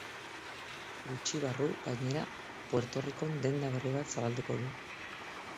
Gutxi barru, gainera, Puerto Ricon denda berri bat zabalduko du.